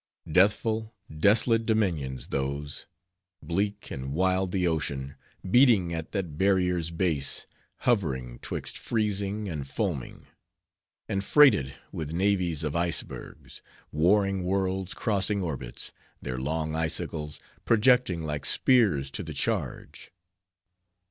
Deathful, desolate dominions those; bleak and wild the ocean, beating at that barrier's base, hovering 'twixt freezing and foaming; and freighted with navies of ice bergs,—warring worlds crossing orbits; their long icicles, projecting like spears to the charge.